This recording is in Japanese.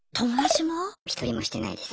一人もしてないです。